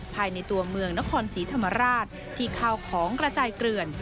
ภายในตัวเมืองนครศรีธรรมราชที่ข้าวของกระจายเกลื่อน